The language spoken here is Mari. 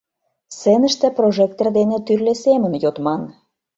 Сценыште прожектор дене тӱрлӧ семын йодман.